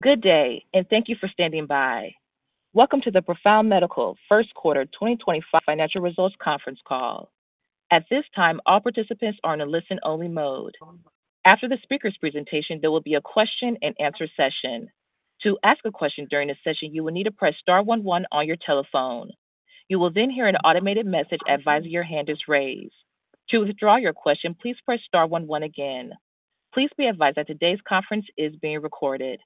Good day, and thank you for standing by. Welcome to the Profound Medical first quarter 2025 financial results conference call. At this time, all participants are in a listen-only mode. After the speaker's presentation, there will be a question-and-answer session. To ask a question during this session, you will need to press star 11 on your telephone. You will then hear an automated message advising your hand is raised. To withdraw your question, please press star 11 again. Please be advised that today's conference is being recorded.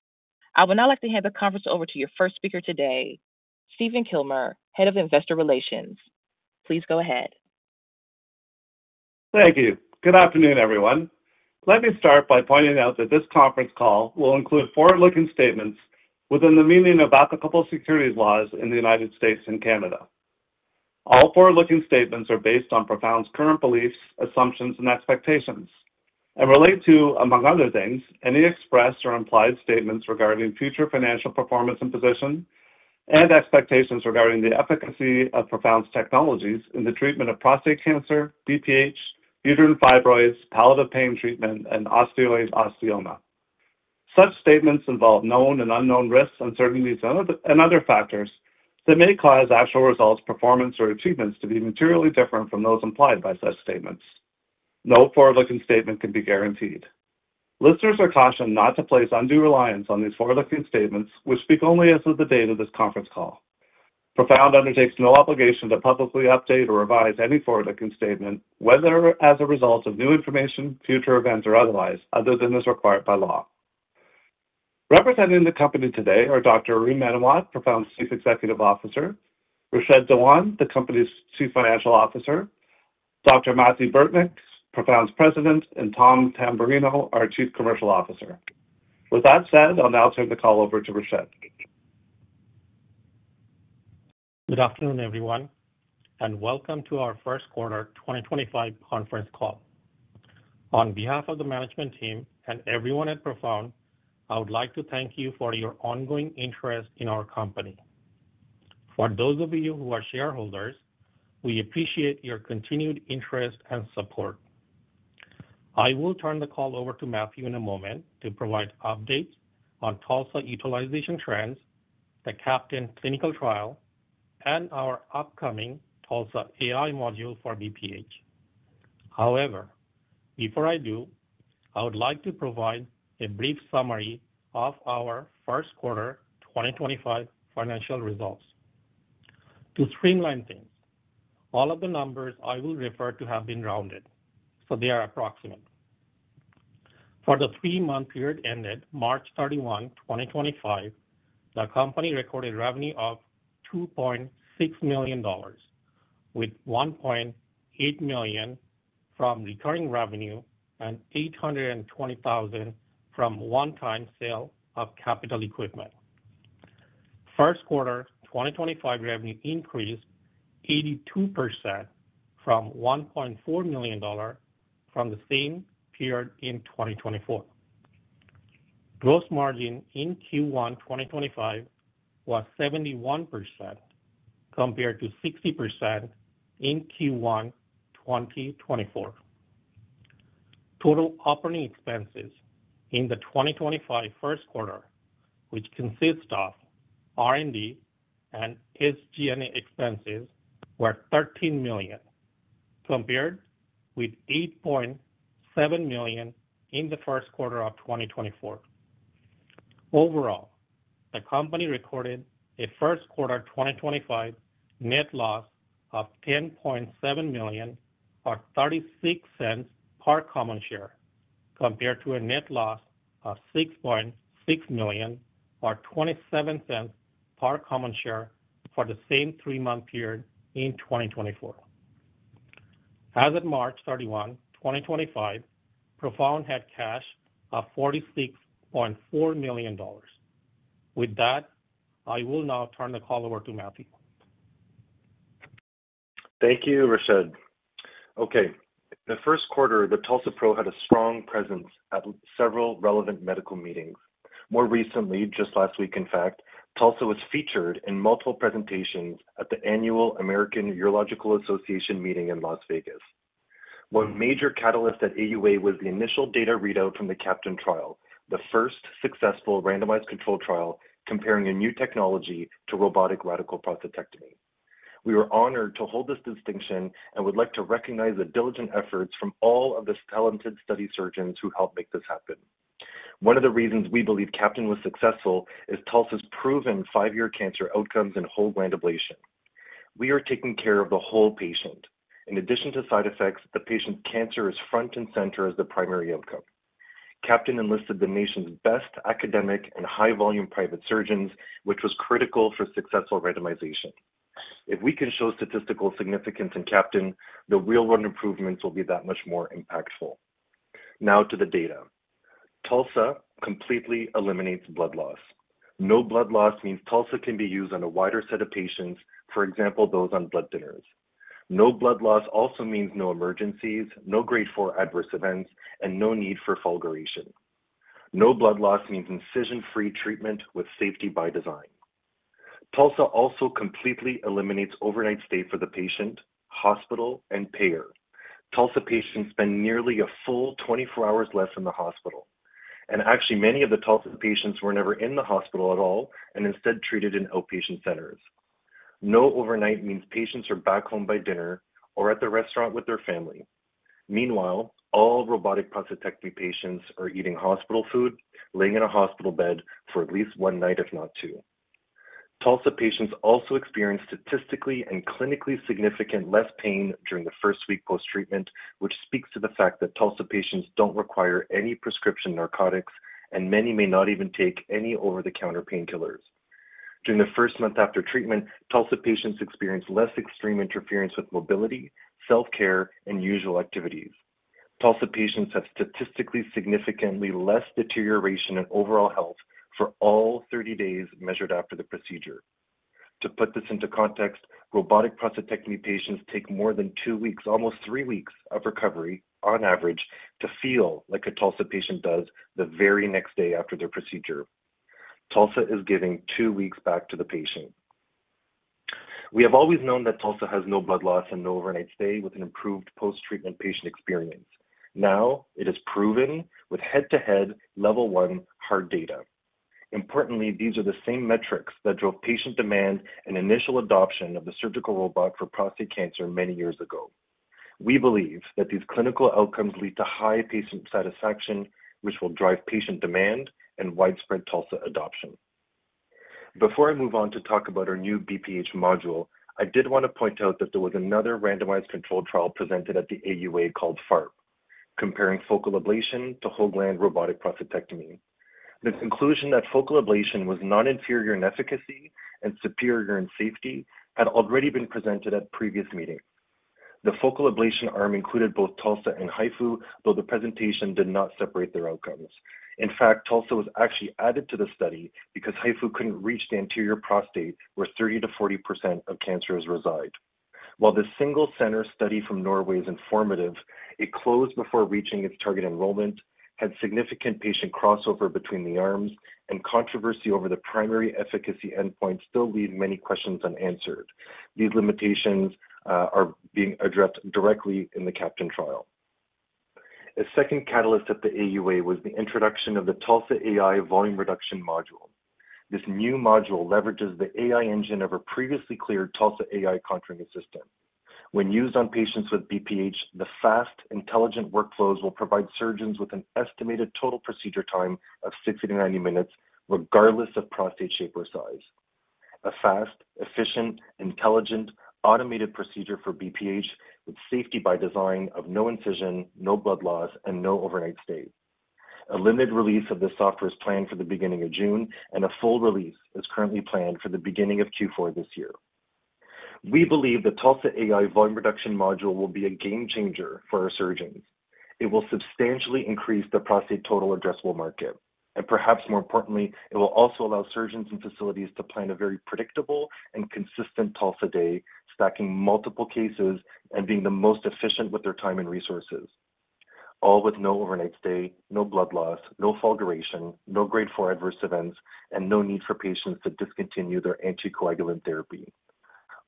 I would now like to hand the conference over to your first speaker today, Stephen Kilmer, Head of Investor Relations. Please go ahead. Thank you. Good afternoon, everyone. Let me start by pointing out that this conference call will include forward-looking statements within the meaning of applicable securities laws in the United States and Canada. All forward-looking statements are based on Profound's current beliefs, assumptions, and expectations, and relate to, among other things, any expressed or implied statements regarding future financial performance and position, and expectations regarding the efficacy of Profound's technologies in the treatment of prostate cancer, BPH, uterine fibroids, palliative pain treatment, and osteoid osteoma. Such statements involve known and unknown risks, uncertainties, and other factors that may cause actual results, performance, or achievements to be materially different from those implied by such statements. No forward-looking statement can be guaranteed. Listeners are cautioned not to place undue reliance on these forward-looking statements, which speak only as of the date of this conference call. Profound undertakes no obligation to publicly update or revise any forward-looking statement, whether as a result of new information, future events, or otherwise, other than as required by law. Representing the company today are Dr. Arun Menawat, Profound's Chief Executive Officer, Rashed Dewan, the company's Chief Financial Officer, Dr. Mathieu Burtnyk, Profound's President, and Tom Tamberrino, our Chief Commercial Officer. With that said, I'll now turn the call over to Rashed. Good afternoon, everyone, and welcome to our First quarter 2025 conference call. On behalf of the management team and everyone at Profound Medical, I would like to thank you for your ongoing interest in our company. For those of you who are shareholders, we appreciate your continued interest and support. I will turn the call over to Mathieu in a moment to provide updates on TULSA utilization trends, the CAPTAIN clinical trial, and our upcoming TULSA AI Volume Reduction Module for BPH. However, before I do, I would like to provide a brief summary of our First Quarter 2025 financial results. To streamline things, all of the numbers I will refer to have been rounded, so they are approximate. For the three-month period ended March 31, 2025, the company recorded revenue of $2.6 million, with $1.8 million from recurring revenue and $820,000 from one-time sale of capital equipment. First Quarter 2025 revenue increased 82% from $1.4 million from the same period in 2024. Gross margin in Q1 2025 was 71% compared to 60% in Q1 2024. Total operating expenses in the 2025 First Quarter, which consists of R&D and SG&A expenses, were $13 million, compared with $8.7 million in the First Quarter of 2024. Overall, the company recorded a First Quarter 2025 net loss of $10.7 million or $0.36 per common share, compared to a net loss of $6.6 million or $0.27 per common share for the same three-month period in 2024. As of March 31, 2025, Profound had cash of $46.4 million. With that, I will now turn the call over to Mathieu. Thank you, Rashed. Okay, in the first quarter, the TULSA-PRO had a strong presence at several relevant medical meetings. More recently, just last week, in fact, TULSA was featured in multiple presentations at the annual American Urological Association meeting in Las Vegas. One major catalyst at AUA was the initial data readout from the CAPTAIN trial, the first successful randomized controlled trial comparing a new technology to robotic radical prostatectomy. We were honored to hold this distinction and would like to recognize the diligent efforts from all of the talented study surgeons who helped make this happen. One of the reasons we believe CAPTAIN was successful is TULSA's proven five-year cancer outcomes in whole gland ablation. We are taking care of the whole patient. In addition to side effects, the patient's cancer is front and center as the primary outcome. CAPTAIN enlisted the nation's best academic and high-volume private surgeons, which was critical for successful randomization. If we can show statistical significance in CAPTAIN, the real-world improvements will be that much more impactful. Now to the data. TULSA completely eliminates blood loss. No blood loss means TULSA can be used on a wider set of patients, for example, those on blood thinners. No blood loss also means no emergencies, no grade 4 adverse events, and no need for fulguration. No blood loss means incision-free treatment with safety by design. TULSA also completely eliminates overnight stay for the patient, hospital, and payer. TULSA patients spend nearly a full 24 hours less in the hospital. Actually, many of the TULSA patients were never in the hospital at all and instead treated in outpatient centers. No overnight means patients are back home by dinner or at the restaurant with their family. Meanwhile, all robotic prostatectomy patients are eating hospital food, laying in a hospital bed for at least one night, if not two. TULSA patients also experience statistically and clinically significant less pain during the first week post-treatment, which speaks to the fact that TULSA patients don't require any prescription narcotics, and many may not even take any over-the-counter painkillers. During the first month after treatment, TULSA patients experience less extreme interference with mobility, self-care, and usual activities. TULSA patients have statistically significantly less deterioration in overall health for all 30 days measured after the procedure. To put this into context, robotic prostatectomy patients take more than two weeks, almost three weeks, of recovery on average to feel like a TULSA patient does the very next day after their procedure. TULSA is giving two weeks back to the patient. We have always known that TULSA has no blood loss and no overnight stay with an improved post-treatment patient experience. Now it is proven with head-to-head level one hard data. Importantly, these are the same metrics that drove patient demand and initial adoption of the surgical robot for prostate cancer many years ago. We believe that these clinical outcomes lead to high patient satisfaction, which will drive patient demand and widespread TULSA adoption. Before I move on to talk about our new BPH module, I did want to point out that there was another randomized controlled trial presented at the AUA called FARP, comparing focal ablation to whole gland robotic prostatectomy. The conclusion that focal ablation was not inferior in efficacy and superior in safety had already been presented at previous meetings. The focal ablation arm included both TULSA and HIFU, though the presentation did not separate their outcomes. In fact, TULSA was actually added to the study because HIFU could not reach the anterior prostate where 30%-40% of cancers reside. While the single-center study from Norway is informative, it closed before reaching its target enrollment, had significant patient crossover between the arms, and controversy over the primary efficacy endpoint still leaves many questions unanswered. These limitations are being addressed directly in the CAPTAIN trial. A second catalyst at the AUA was the introduction of the TULSA AI Volume Reduction Module. This new module leverages the AI engine of a previously cleared TULSA AI Contouring Assistant. When used on patients with BPH, the fast, intelligent workflows will provide surgeons with an estimated total procedure time of 60-90 minutes, regardless of prostate shape or size. A fast, efficient, intelligent, automated procedure for BPH with safety by design of no incision, no blood loss, and no overnight stay. A limited release of the software is planned for the beginning of June, and a full release is currently planned for the beginning of Q4 this year. We believe the TULSA AI Volume Reduction Module will be a game changer for our surgeons. It will substantially increase the prostate total addressable market. Perhaps more importantly, it will also allow surgeons and facilities to plan a very predictable and consistent TULSA day, stacking multiple cases and being the most efficient with their time and resources. All with no overnight stay, no blood loss, no fulguration, no grade 4 adverse events, and no need for patients to discontinue their anticoagulant therapy.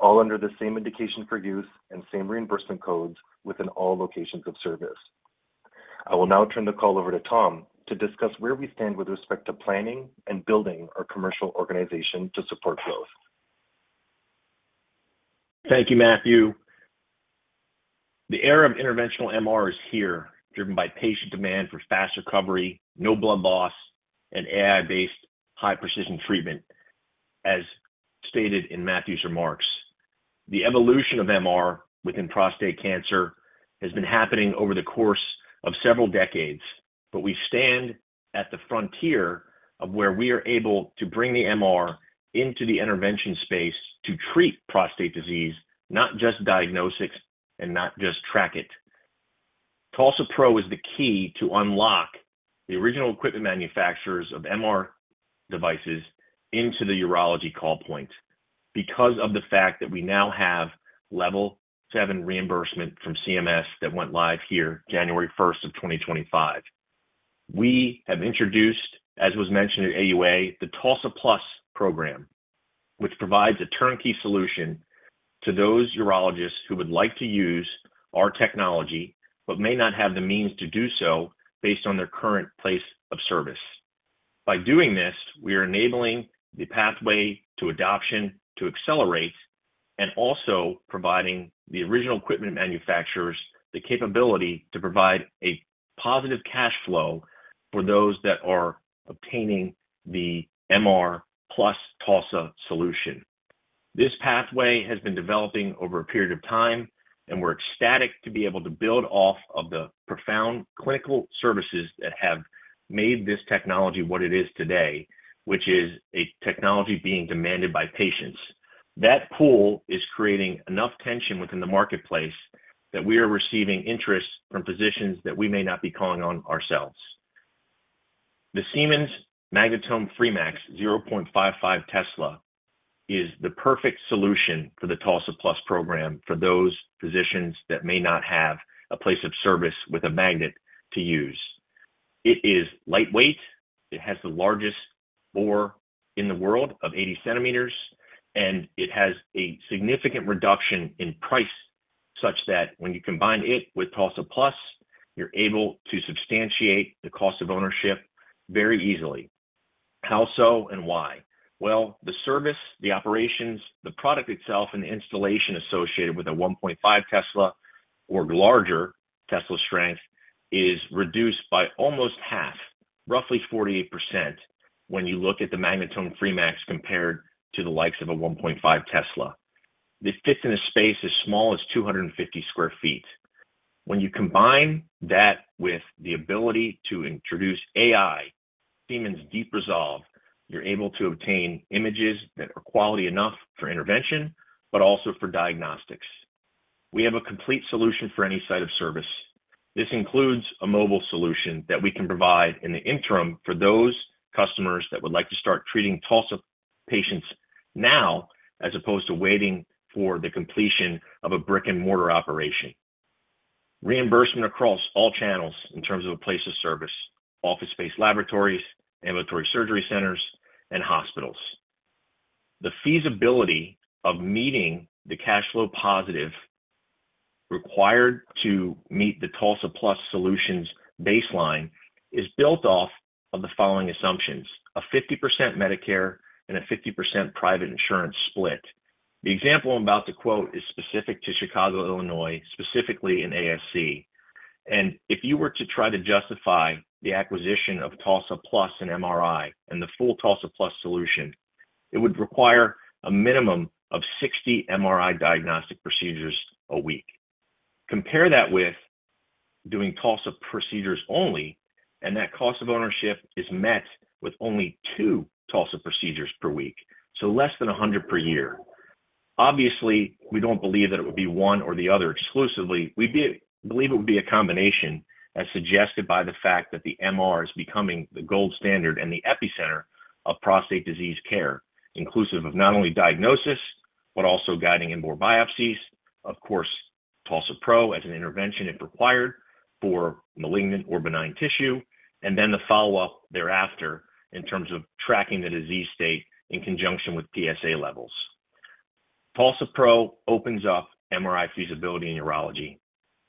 All under the same indication for use and same reimbursement codes within all locations of service. I will now turn the call over to Tom to discuss where we stand with respect to planning and building our commercial organization to support growth. Thank you, Mathieu. The era of interventional MR is here, driven by patient demand for fast recovery, no blood loss, and AI-based high-precision treatment, as stated in Mathieu's remarks. The evolution of MR within prostate cancer has been happening over the course of several decades, but we stand at the frontier of where we are able to bring the MR into the intervention space to treat prostate disease, not just diagnosis and not just track it. TULSA-PRO is the key to unlock the original equipment manufacturers of MR devices into the urology call point because of the fact that we now have level seven reimbursement from CMS that went live here January 1st, 2025. We have introduced, as was mentioned at AUA, the TULSA+ Program, which provides a turnkey solution to those urologists who would like to use our technology but may not have the means to do so based on their current place of service. By doing this, we are enabling the pathway to adoption to accelerate and also providing the original equipment manufacturers the capability to provide a positive cash flow for those that are obtaining the MR plus TULSA solution. This pathway has been developing over a period of time, and we're ecstatic to be able to build off of the Profound clinical services that have made this technology what it is today, which is a technology being demanded by patients. That pool is creating enough tension within the marketplace that we are receiving interest from positions that we may not be calling on ourselves. The Siemens MAGNETOM Free.Max 0.55 Tesla is the perfect solution for the TULSA+ Program for those physicians that may not have a place of service with a magnet to use. It is lightweight. It has the largest bore in the world of 80 centimeters, and it has a significant reduction in price such that when you combine it with TULSA+, you're able to substantiate the cost of ownership very easily. How so and why? The service, the operations, the product itself, and the installation associated with a 1.5 Tesla or larger Tesla strength is reduced by almost half, roughly 48%, when you look at the Magnetom Free.Max compared to the likes of a 1.5 Tesla. It fits in a space as small as 250 sq ft. When you combine that with the ability to introduce AI, Siemens Deep Resolve, you're able to obtain images that are quality enough for intervention, but also for diagnostics. We have a complete solution for any site of service. This includes a mobile solution that we can provide in the interim for those customers that would like to start treating TULSA patients now as opposed to waiting for the completion of a brick-and-mortar operation. Reimbursement across all channels in terms of a place of service: office-based laboratories, ambulatory surgery centers, and hospitals. The feasibility of meeting the cash flow positive required to meet the TULSA+ solution's baseline is built off of the following assumptions: a 50% Medicare and a 50% private insurance split. The example I'm about to quote is specific to Chicago, Illinois, specifically in ASC. If you were to try to justify the acquisition of TULSA+ in MRI and the full TULSA+ solution, it would require a minimum of 60 MRI diagnostic procedures a week. Compare that with doing TULSA procedures only, and that cost of ownership is met with only two TULSA procedures per week, so less than 100 per year. Obviously, we do not believe that it would be one or the other exclusively. We believe it would be a combination, as suggested by the fact that the MR is becoming the gold standard and the epicenter of prostate disease care, inclusive of not only diagnosis, but also guiding in more biopsies, of course, TULSA-PRO as an intervention if required for malignant or benign tissue, and then the follow-up thereafter in terms of tracking the disease state in conjunction with PSA levels. TULSA-PRO opens up MRI feasibility in urology.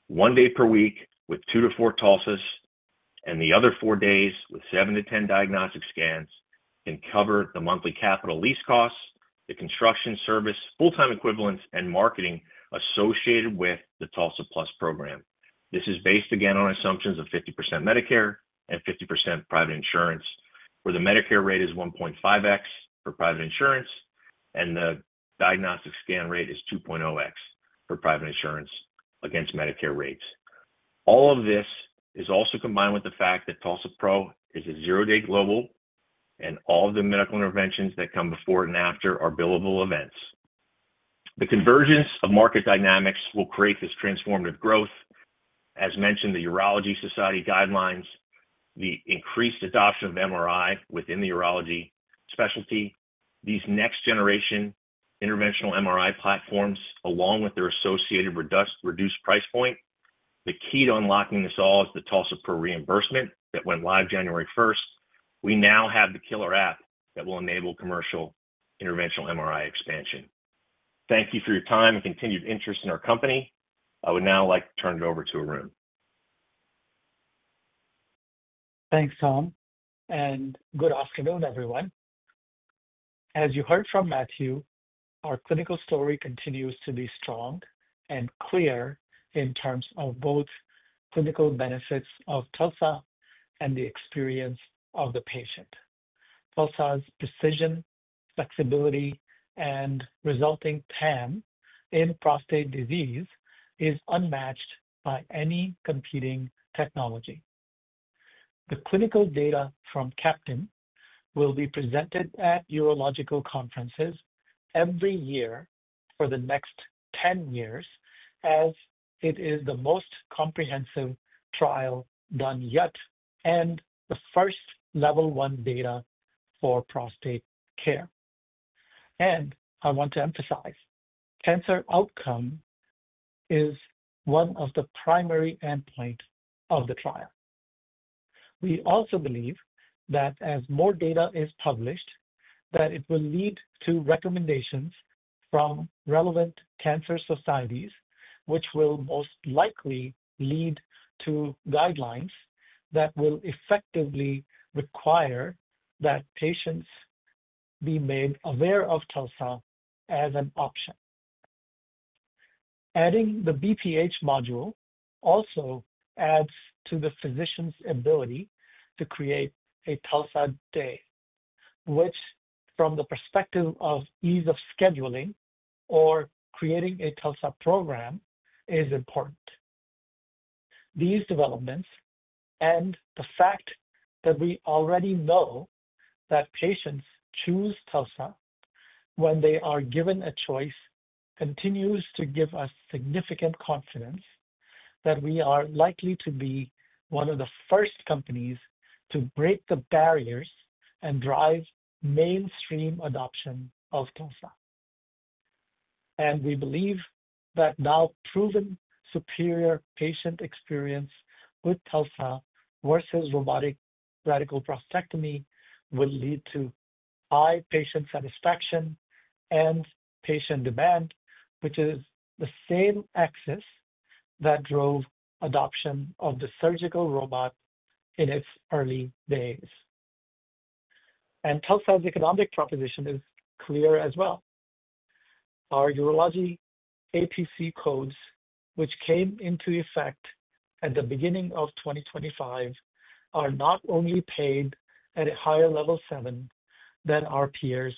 One day per week with two to four TULSAs and the other four days with seven to ten diagnostic scans can cover the monthly capital lease costs, the construction service, full-time equivalents, and marketing associated with the TULSA+ Program. This is based, again, on assumptions of 50% Medicare and 50% private insurance, where the Medicare rate is 1.5x for private insurance and the diagnostic scan rate is 2.0x for private insurance against Medicare rates. All of this is also combined with the fact that TULSA-PRO is a zero-day global, and all of the medical interventions that come before and after are billable events. The convergence of market dynamics will create this transformative growth. As mentioned, the Urology Society guidelines, the increased adoption of MRI within the urology specialty, these next-generation interventional MRI platforms, along with their associated reduced price point. The key to unlocking this all is the TULSA-PRO reimbursement that went live January 1. We now have the killer app that will enable commercial interventional MRI expansion. Thank you for your time and continued interest in our company. I would now like to turn it over to Arun. Thanks, Tom. Good afternoon, everyone. As you heard from Mathieu, our clinical story continues to be strong and clear in terms of both clinical benefits of TULSA and the experience of the patient. TULSA's precision, flexibility, and resulting PAM in prostate disease is unmatched by any competing technology. The clinical data from CAPTAIN will be presented at urological conferences every year for the next 10 years, as it is the most comprehensive trial done yet and the first level one data for prostate care. I want to emphasize, cancer outcome is one of the primary endpoints of the trial. We also believe that as more data is published, it will lead to recommendations from relevant cancer societies, which will most likely lead to guidelines that will effectively require that patients be made aware of TULSA as an option. Adding the BPH module also adds to the physician's ability to create a Tulsa day, which, from the perspective of ease of scheduling or creating a Tulsa program, is important. These developments and the fact that we already know that patients choose Tulsa when they are given a choice continues to give us significant confidence that we are likely to be one of the first companies to break the barriers and drive mainstream adoption of Tulsa. We believe that now proven superior patient experience with Tulsa versus robotic radical prostatectomy will lead to high patient satisfaction and patient demand, which is the same axis that drove adoption of the surgical robot in its early days. Tulsa's economic proposition is clear as well. Our urology APC codes, which came into effect at the beginning of 2025, are not only paid at a higher level seven than our peers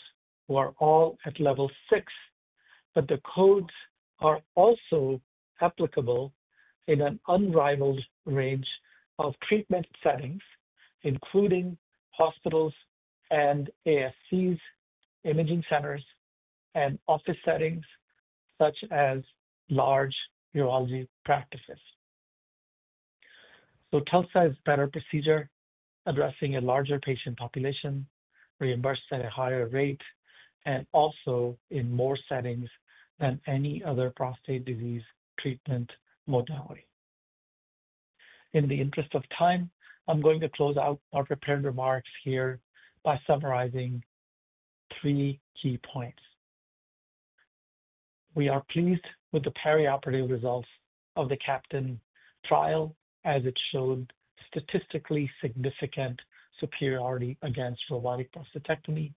who are all at level six, but the codes are also applicable in an unrivaled range of treatment settings, including hospitals and ASCs, imaging centers, and office settings such as large urology practices. Tulsa is a better procedure, addressing a larger patient population, reimbursed at a higher rate, and also in more settings than any other prostate disease treatment modality. In the interest of time, I'm going to close out our prepared remarks here by summarizing three key points. We are pleased with the perioperative results of the CAPTAIN trial, as it showed statistically significant superiority against robotic prostatectomy.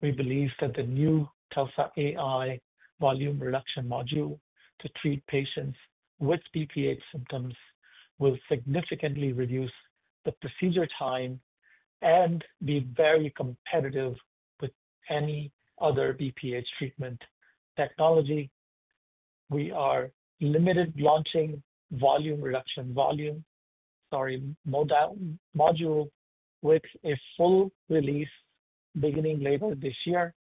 We believe that the new TULSA AI Volume Reduction Module to treat patients with BPH symptoms will significantly reduce the procedure time and be very competitive with any other BPH treatment technology. We are limited launching Volume Reduction Module with a full release beginning later this year.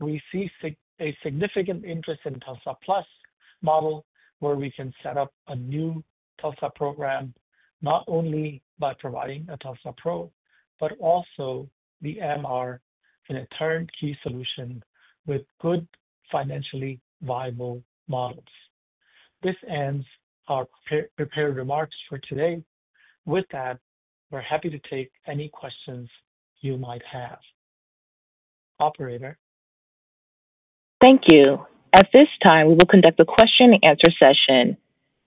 We see a significant interest in TULSA+ Program model, where we can set up a new TULSA program not only by providing a TULSA-PRO, but also the MR in a turnkey solution with good financially viable models. This ends our prepared remarks for today. With that, we're happy to take any questions you might have. Operator. Thank you. At this time, we will conduct the question-and-answer session.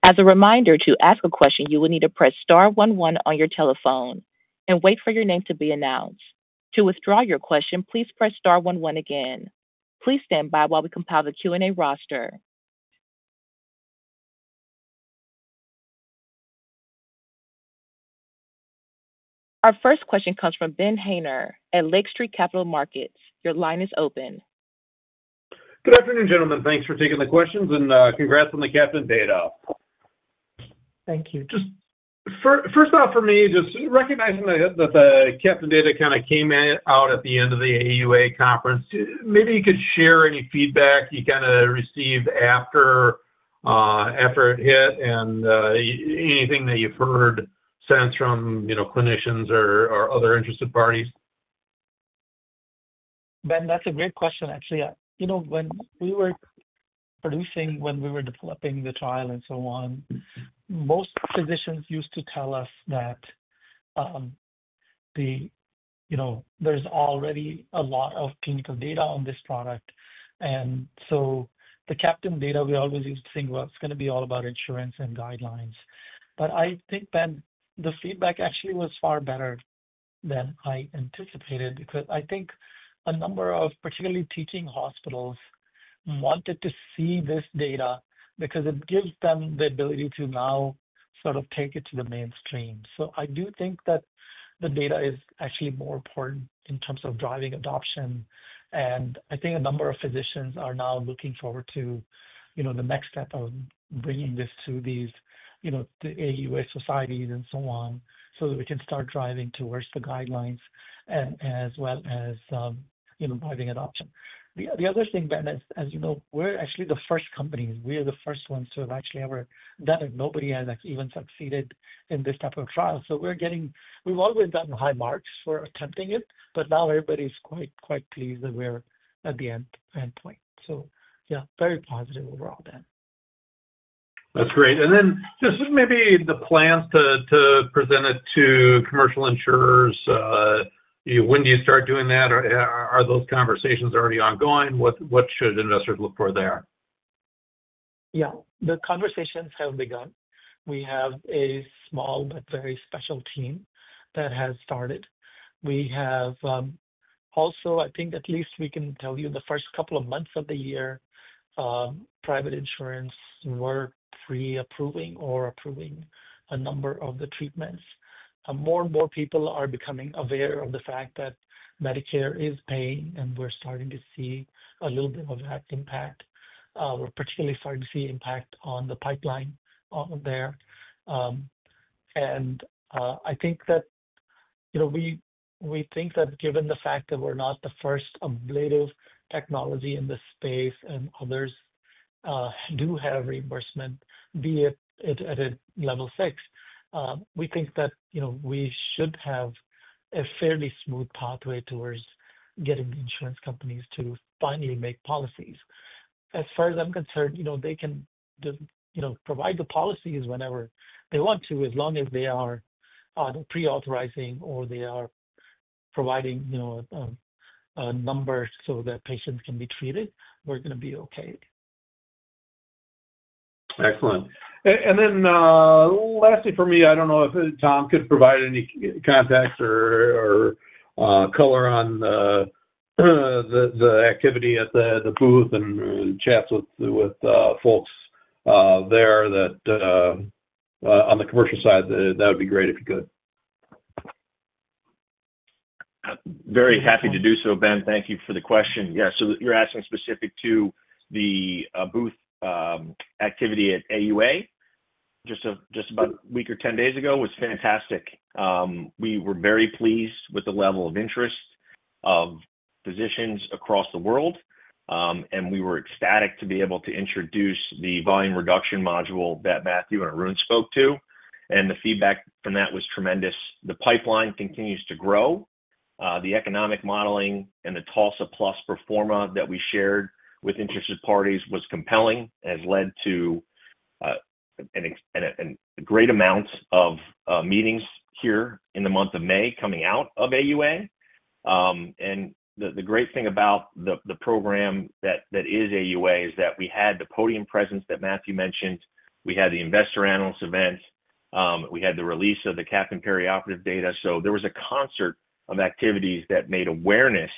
As a reminder, to ask a question, you will need to press star one one on your telephone and wait for your name to be announced. To withdraw your question, please press star one one again. Please stand by while we compile the Q&A roster. Our first question comes from Ben Haynor at Lake Street Capital Markets. Your line is open. Good afternoon, gentlemen. Thanks for taking the questions, and congrats on the CAPTAIN data. Thank you. Just first off, for me, just recognizing that the CAPTAIN data kind of came out at the end of the AUA conference. Maybe you could share any feedback you kind of received after it hit, and anything that you've heard since from clinicians or other interested parties. Ben, that's a great question, actually. When we were producing, when we were developing the trial and so on, most physicians used to tell us that there's already a lot of clinical data on this product. And so the CAPTAIN data, we always used to think, well, it's going to be all about insurance and guidelines. I think, Ben, the feedback actually was far better than I anticipated because I think a number of particularly teaching hospitals wanted to see this data because it gives them the ability to now sort of take it to the mainstream. I do think that the data is actually more important in terms of driving adoption. I think a number of physicians are now looking forward to the next step of bringing this to the AUA societies and so on so that we can start driving towards the guidelines as well as driving adoption. The other thing, Ben, is, as you know, we are actually the first companies. We are the first ones to have actually ever done it. Nobody has even succeeded in this type of trial. We have always gotten high marks for attempting it, but now everybody is quite pleased that we are at the end point. Yeah, very positive overall, Ben. That's great. And then just maybe the plans to present it to commercial insurers, when do you start doing that? Are those conversations already ongoing? What should investors look for there? Yeah. The conversations have begun. We have a small but very special team that has started. We have also, I think at least we can tell you the first couple of months of the year, private insurance were pre-approving or approving a number of the treatments. More and more people are becoming aware of the fact that Medicare is paying, and we're starting to see a little bit of that impact. We're particularly starting to see impact on the pipeline there. I think that we think that given the fact that we're not the first ablative technology in this space and others do have reimbursement, be it at a level six, we think that we should have a fairly smooth pathway towards getting the insurance companies to finally make policies. As far as I'm concerned, they can provide the policies whenever they want to, as long as they are pre-authorizing or they are providing a number so that patients can be treated, we're going to be okay. Excellent. Lastly for me, I do not know if Tom could provide any context or color on the activity at the booth and chats with folks there that on the commercial side, that would be great if you could. Very happy to do so, Ben. Thank you for the question. Yeah. So you're asking specific to the booth activity at AUA just about a week or 10 days ago. It was fantastic. We were very pleased with the level of interest of physicians across the world, and we were ecstatic to be able to introduce the volume reduction module that Mathieu and Arun spoke to. The feedback from that was tremendous. The pipeline continues to grow. The economic modeling and the Tulsa Plus performer that we shared with interested parties was compelling and has led to a great amount of meetings here in the month of May coming out of AUA. The great thing about the program that is AUA is that we had the podium presence that Mathieu mentioned. We had the investor analyst event. We had the release of the CAPTAIN perioperative data. There was a concert of activities that made awareness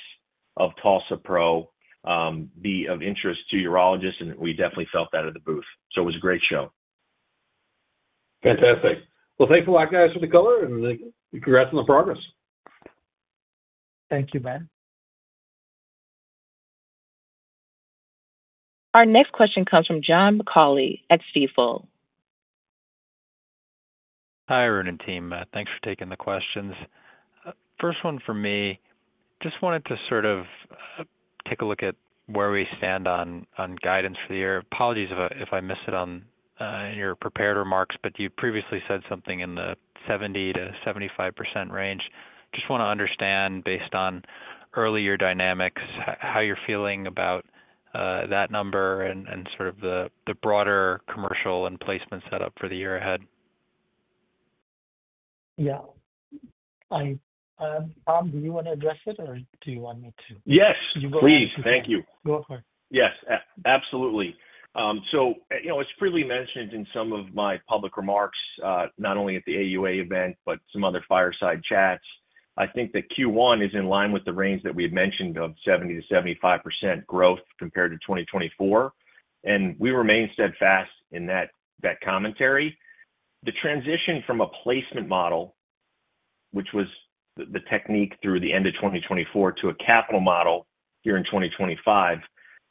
of TULSA-PRO be of interest to urologists, and we definitely felt that at the booth. It was a great show. Fantastic. Thanks a lot, guys, for the color, and congrats on the progress. Thank you, Ben. Our next question comes from John McCauley at Stifel. Hi, Arun and team. Thanks for taking the questions. First one for me, just wanted to sort of take a look at where we stand on guidance for the year. Apologies if I missed it in your prepared remarks, but you previously said something in the 70%-75% range. Just want to understand, based on earlier dynamics, how you're feeling about that number and sort of the broader commercial and placement setup for the year ahead. Yeah. Tom, do you want to address it, or do you want me to? Yes. Please. Thank you. Go for it. Yes. Absolutely. So as freely mentioned in some of my public remarks, not only at the AUA event, but some other fireside chats. I think that Q1 is in line with the range that we had mentioned of 70%-75% growth compared to 2024. And we remain steadfast in that commentary. The transition from a placement model, which was the technique through the end of 2024, to a capital model here in 2025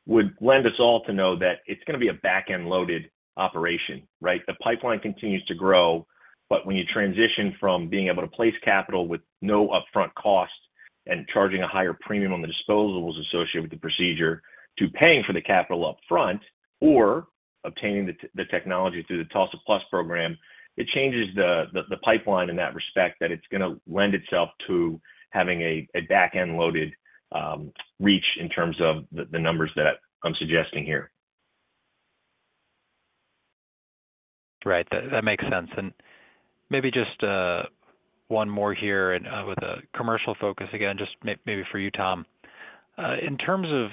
would lend us all to know that it is going to be a back-end loaded operation, right? The pipeline continues to grow, but when you transition from being able to place capital with no upfront cost and charging a higher premium on the disposables associated with the procedure to paying for the capital upfront or obtaining the technology through the TULSA+ Program, it changes the pipeline in that respect that it's going to lend itself to having a back-end loaded reach in terms of the numbers that I'm suggesting here. Right. That makes sense. Maybe just one more here with a commercial focus again, just maybe for you, Tom. In terms of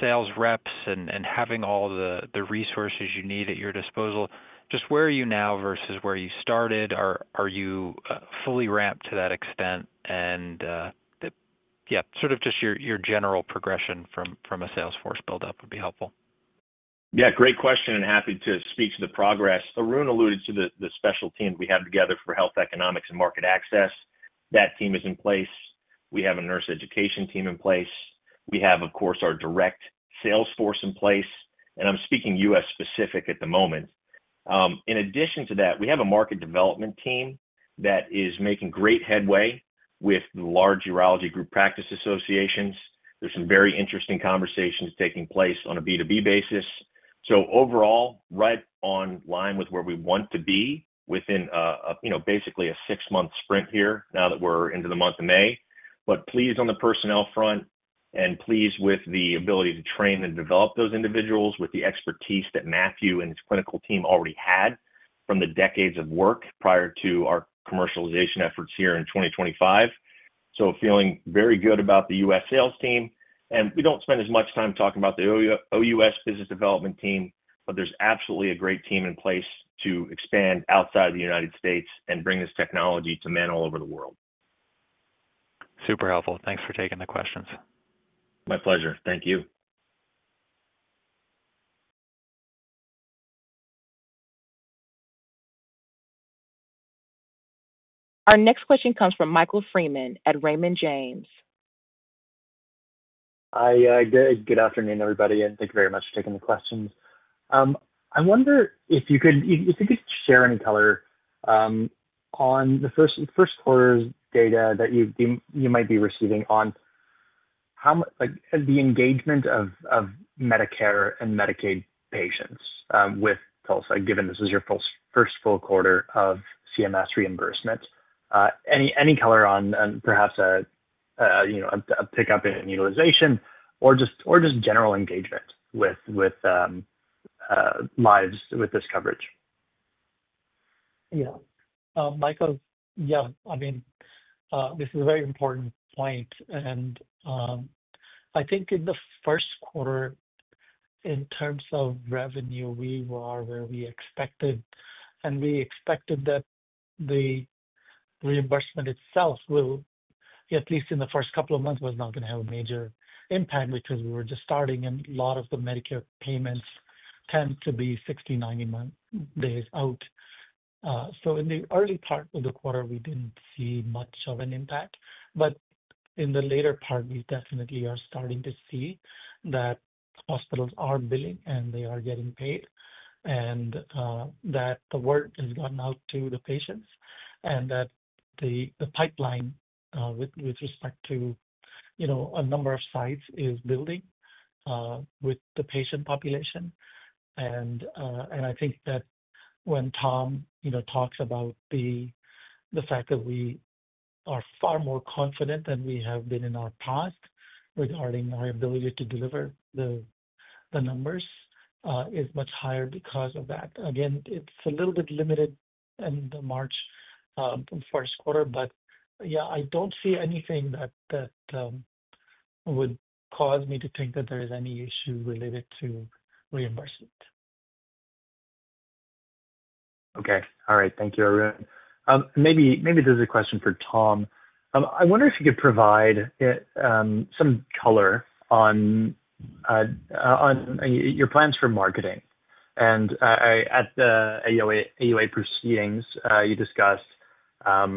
sales reps and having all the resources you need at your disposal, just where are you now versus where you started? Are you fully ramped to that extent? Yeah, sort of just your general progression from a Salesforce buildup would be helpful. Yeah. Great question, and happy to speak to the progress. Arun alluded to the special team we have together for health economics and market access. That team is in place. We have a nurse education team in place. We have, of course, our direct sales force in place. I'm speaking U.S.-specific at the moment. In addition to that, we have a market development team that is making great headway with the large urology group practice associations. There are some very interesting conversations taking place on a B2B basis. Overall, right on line with where we want to be within basically a six-month sprint here now that we're into the month of May. Pleased on the personnel front and pleased with the ability to train and develop those individuals with the expertise that Mathieu and his clinical team already had from the decades of work prior to our commercialization efforts here in 2025. Feeling very good about the U.S. sales team. We do not spend as much time talking about the OUS business development team, but there is absolutely a great team in place to expand outside of the United States and bring this technology to men all over the world. Super helpful. Thanks for taking the questions. My pleasure. Thank you. Our next question comes from Michael Freeman at Raymond James. Hi. Good afternoon, everybody, and thank you very much for taking the questions. I wonder if you could share any color on the first quarter's data that you might be receiving on the engagement of Medicare and Medicaid patients with TULSA, given this is your first full quarter of CMS reimbursement. Any color on perhaps a pickup in utilization or just general engagement with lives with this coverage? Yeah. Michael, yeah, I mean, this is a very important point. I think in the first quarter, in terms of revenue, we were where we expected. We expected that the reimbursement itself, at least in the first couple of months, was not going to have a major impact because we were just starting, and a lot of the Medicare payments tend to be 60-90 days out. In the early part of the quarter, we did not see much of an impact. In the later part, we definitely are starting to see that hospitals are billing and they are getting paid and that the word has gotten out to the patients and that the pipeline with respect to a number of sites is building with the patient population. I think that when Tom talks about the fact that we are far more confident than we have been in our past regarding our ability to deliver, the numbers is much higher because of that. Again, it's a little bit limited in the March first quarter, but yeah, I don't see anything that would cause me to think that there is any issue related to reimbursement. Okay. All right. Thank you, Arun. Maybe this is a question for Tom. I wonder if you could provide some color on your plans for marketing. And at the AUA proceedings, you discussed the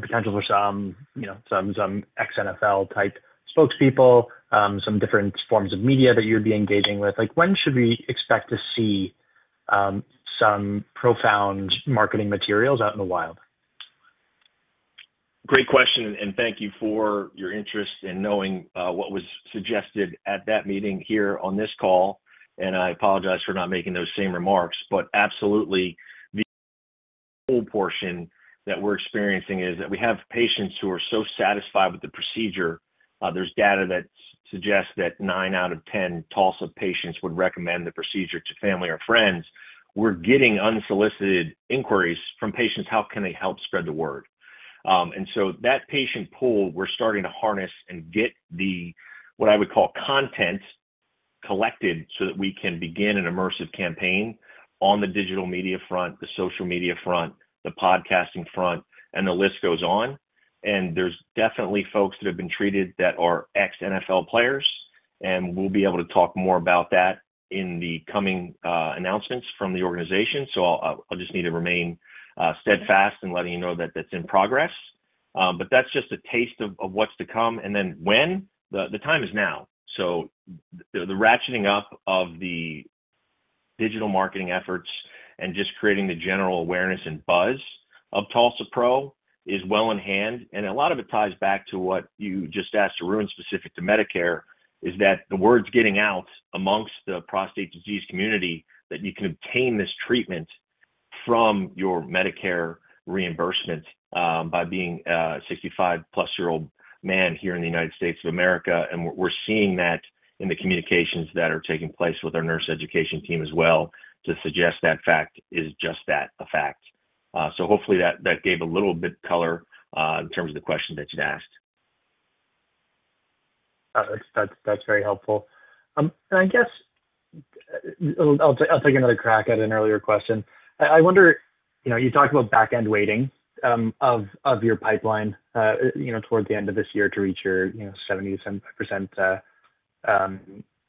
potential for some ex-NFL-type spokespeople, some different forms of media that you would be engaging with. When should we expect to see some profound marketing materials out in the wild? Great question. Thank you for your interest in knowing what was suggested at that meeting here on this call. I apologize for not making those same remarks, but absolutely, the whole portion that we're experiencing is that we have patients who are so satisfied with the procedure. There's data that suggests that 9 out of 10 TULSA patients would recommend the procedure to family or friends. We're getting unsolicited inquiries from patients: how can they help spread the word? That patient pool, we're starting to harness and get what I would call content collected so that we can begin an immersive campaign on the digital media front, the social media front, the podcasting front, and the list goes on. There are definitely folks that have been treated that are ex-NFL players, and we'll be able to talk more about that in the coming announcements from the organization. I just need to remain steadfast in letting you know that that's in progress. That is just a taste of what's to come. When? The time is now. The ratcheting up of the digital marketing efforts and just creating the general awareness and buzz of TULSA-PRO is well in hand. A lot of it ties back to what you just asked, Arun, specific to Medicare, in that the word's getting out amongst the prostate disease community that you can obtain this treatment from your Medicare reimbursement by being a 65-plus-year-old man here in the United States of America. We're seeing that in the communications that are taking place with our nurse education team as well to suggest that fact is just that, a fact. Hopefully, that gave a little bit of color in terms of the question that you'd asked. That's very helpful. I guess I'll take another crack at an earlier question. I wonder, you talked about back-end waiting of your pipeline toward the end of this year to reach your 70%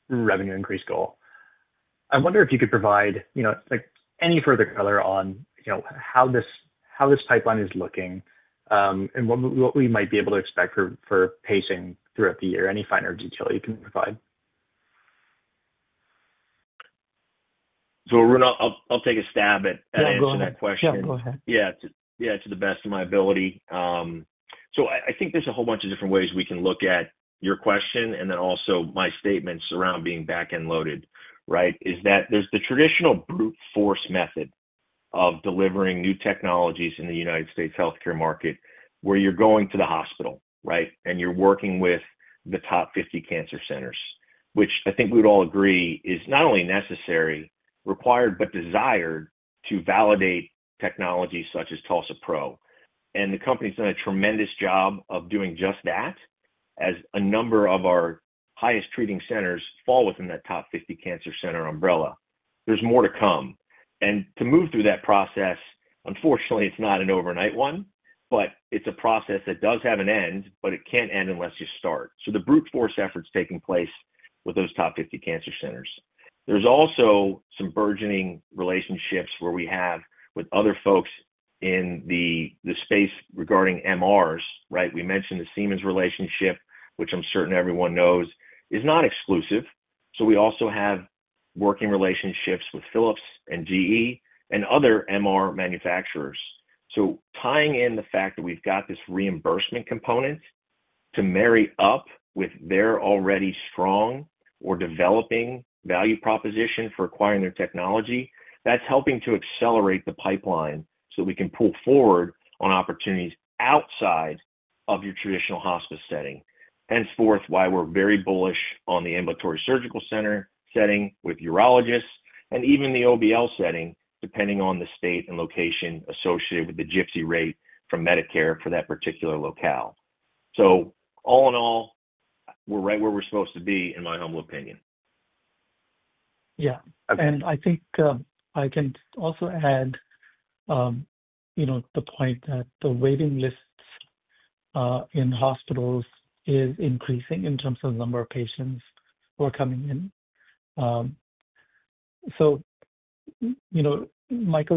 revenue increase goal. I wonder if you could provide any further color on how this pipeline is looking and what we might be able to expect for pacing throughout the year, any finer detail you can provide. Arun, I'll take a stab at answering that question. Yeah. Go ahead. Yeah. To the best of my ability. I think there's a whole bunch of different ways we can look at your question and then also my statements around being back-end loaded, right? There's the traditional brute force method of delivering new technologies in the U.S. healthcare market where you're going to the hospital, right, and you're working with the top 50 cancer centers, which I think we would all agree is not only necessary, required, but desired to validate technology such as TULSA-PRO. The company's done a tremendous job of doing just that as a number of our highest treating centers fall within that top 50 cancer center umbrella. There's more to come. To move through that process, unfortunately, it's not an overnight one, but it's a process that does have an end, but it can't end unless you start. The brute force effort's taking place with those top 50 cancer centers. There's also some burgeoning relationships where we have with other folks in the space regarding MRs, right? We mentioned the Siemens relationship, which I'm certain everyone knows, is not exclusive. We also have working relationships with Philips and GE and other MR manufacturers. Tying in the fact that we've got this reimbursement component to marry up with their already strong or developing value proposition for acquiring their technology, that's helping to accelerate the pipeline so that we can pull forward on opportunities outside of your traditional hospice setting. Henceforth, why we're very bullish on the ambulatory surgical center setting with urologists and even the OBL setting, depending on the state and location associated with the GPCI rate from Medicare for that particular locale. All in all, we're right where we're supposed to be in my humble opinion. Yeah. I think I can also add the point that the waiting lists in hospitals are increasing in terms of the number of patients who are coming in. Michael,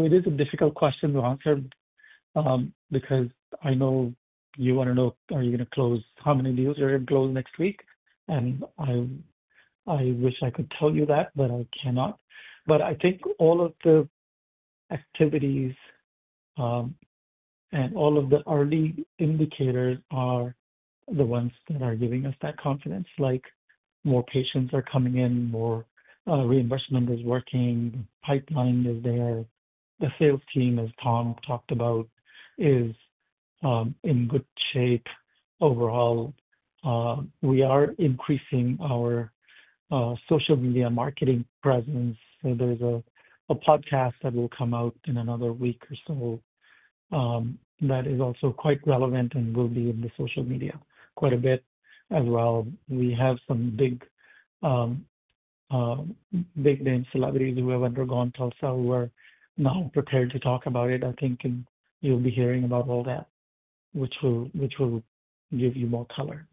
it is a difficult question to answer because I know you want to know, are you going to close, how many deals you're going to close next week? I wish I could tell you that, but I cannot. I think all of the activities and all of the early indicators are the ones that are giving us that confidence, like more patients are coming in, more reimbursement is working, the pipeline is there, the sales team, as Tom talked about, is in good shape overall. We are increasing our social media marketing presence. There's a podcast that will come out in another week or so that is also quite relevant and will be in the social media quite a bit as well. We have some big-name celebrities who have undergone TULSA who are now prepared to talk about it. I think you'll be hearing about all that, which will give you more color.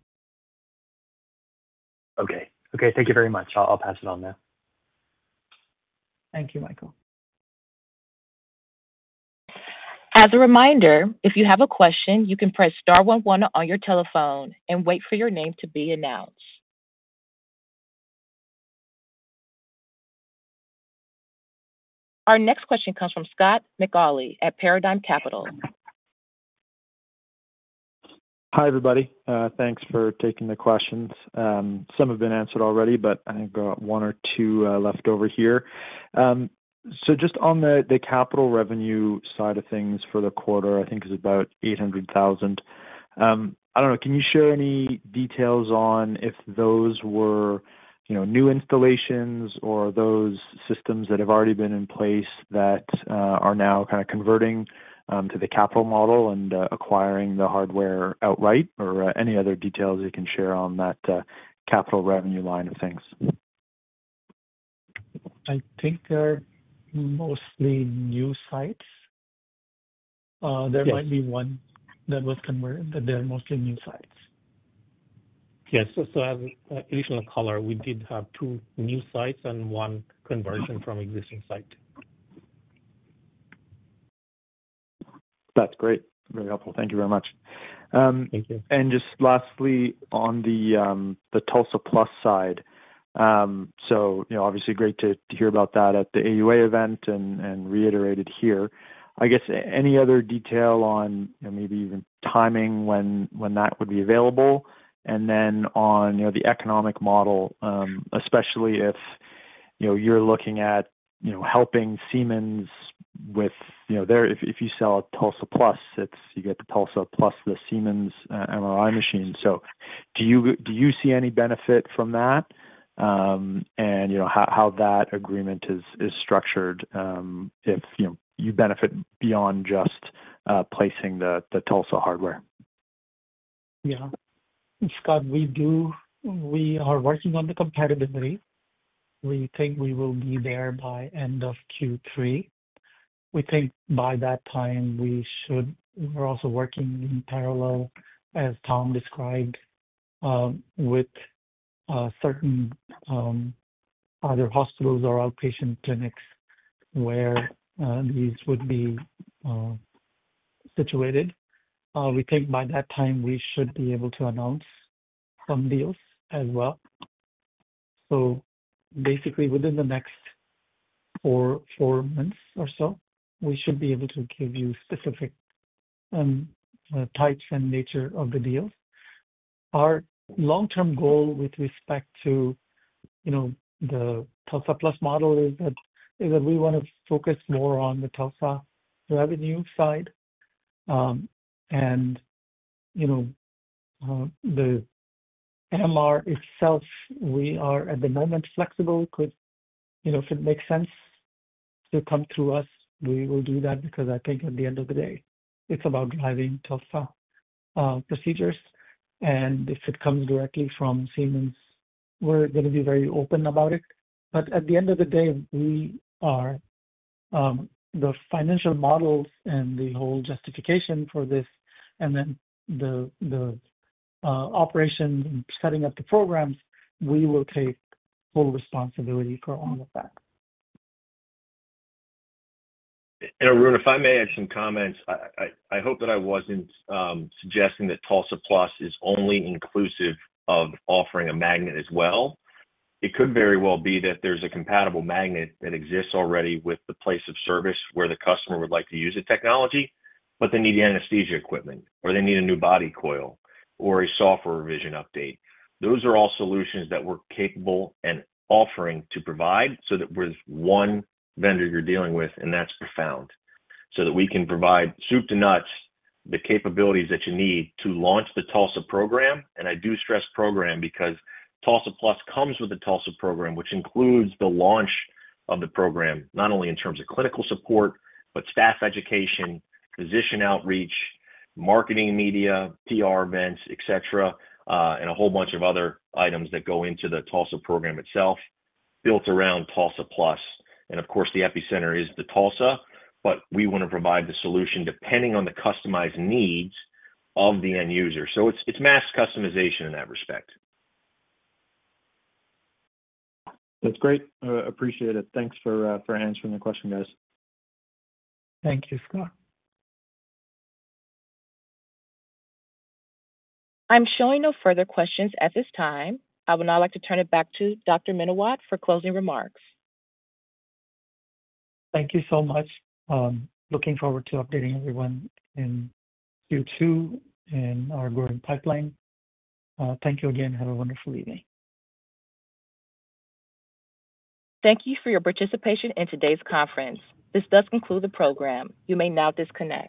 Okay. Okay. Thank you very much. I'll pass it on now. Thank you, Michael. As a reminder, if you have a question, you can press star 11 on your telephone and wait for your name to be announced. Our next question comes from Scott McAuley at Paradigm Capital. Hi, everybody. Thanks for taking the questions. Some have been answered already, but I think I've got one or two left over here. Just on the capital revenue side of things for the quarter, I think it's about $800,000. I don't know. Can you share any details on if those were new installations or those systems that have already been in place that are now kind of converting to the capital model and acquiring the hardware outright, or any other details you can share on that capital revenue line of things? I think they're mostly new sites. There might be one that was converted, but they're mostly new sites. Yeah. As additional color, we did have two new sites and one conversion from existing site. That's great. Very helpful. Thank you very much. Thank you. Just lastly, on the TULSA+ side, obviously great to hear about that at the AUA event and reiterated here. I guess any other detail on maybe even timing when that would be available? On the economic model, especially if you're looking at helping Siemens with their, if you sell a TULSA+, you get the TULSA+ and the Siemens MRI machine. Do you see any benefit from that and how that agreement is structured, if you benefit beyond just placing the TULSA hardware? Yeah. Scott, we are working on the compatibility. We think we will be there by end of Q3. We think by that time, we should—we're also working in parallel, as Tom described, with certain either hospitals or outpatient clinics where these would be situated. We think by that time, we should be able to announce some deals as well. Basically, within the next four months or so, we should be able to give you specific types and nature of the deals. Our long-term goal with respect to the TULSA+ Program model is that we want to focus more on the TULSA revenue side. The MR itself, we are at the moment flexible. If it makes sense to come through us, we will do that because I think at the end of the day, it's about driving TULSA procedures. If it comes directly from Siemens, we're going to be very open about it. At the end of the day, we are the financial models and the whole justification for this. The operation and setting up the programs, we will take full responsibility for all of that. Arun, if I may add some comments, I hope that I wasn't suggesting that TULSA+ Program is only inclusive of offering a magnet as well. It could very well be that there's a compatible magnet that exists already with the place of service where the customer would like to use the technology, but they need the anesthesia equipment, or they need a new body coil, or a software revision update. Those are all solutions that we're capable and offering to provide so that with one vendor you're dealing with, and that's Profound, so that we can provide soup to nuts, the capabilities that you need to launch the TULSA program. I do stress program because TULSA+ comes with the TULSA program, which includes the launch of the program, not only in terms of clinical support, but staff education, physician outreach, marketing media, PR events, etc., and a whole bunch of other items that go into the TULSA program itself built around TULSA+. Of course, the epicenter is the TULSA, but we want to provide the solution depending on the customized needs of the end user. It is mass customization in that respect. That's great. Appreciate it. Thanks for answering the question, guys. Thank you, Scott. I'm showing no further questions at this time. I would now like to turn it back to Dr. Menawat for closing remarks. Thank you so much. Looking forward to updating everyone in Q2 and our growing pipeline. Thank you again. Have a wonderful evening. Thank you for your participation in today's conference. This does conclude the program. You may now disconnect.